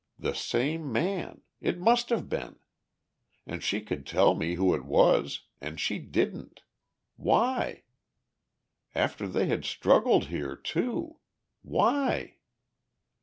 "The same man. It must have been. And she could tell me who it was and she didn't. Why? After they had struggled here, too! Why?"